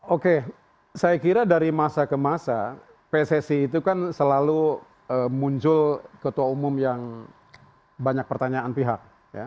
oke saya kira dari masa ke masa pssi itu kan selalu muncul ketua umum yang banyak pertanyaan pihak